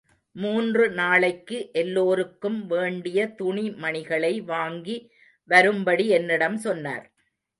மூன்று நாளைக்கு எல்லோருக்கும் வேண்டிய துணி மணிகளை வாங்கி வரும்படி என்னிடம் சொன்னார்.